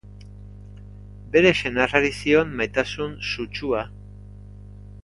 Bere senarrari zion maitasun sutsua.